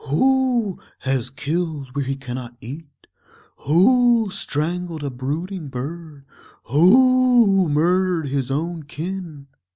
"Who has killed where he cannot eat? who strangled a brooding bird? who murdered his own kin?"